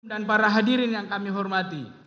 dan para hadirin yang kami hormati